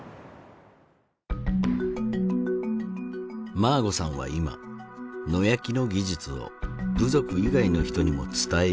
マーゴさんは今野焼きの技術を部族以外の人にも伝えようとしている。